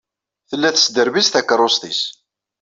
Tella tesderbiz takeṛṛust-nnes.